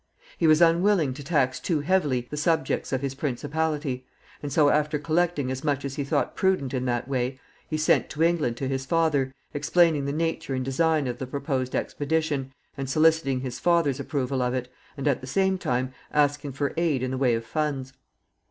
He was unwilling to tax too heavily the subjects of his principality, and so, after collecting as much as he thought prudent in that way, he sent to England to his father, explaining the nature and design of the proposed expedition, and soliciting his father's approval of it, and, at the same time, asking for aid in the way of funds.